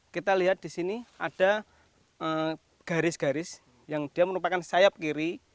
kita lihat di sini ada garis garis yang dia merupakan sayap kiri